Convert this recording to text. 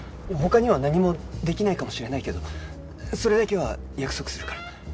他には何もできないかもしれないけどそれだけは約束するから。